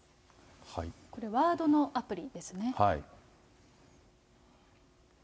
これ、ワードのアプリですね。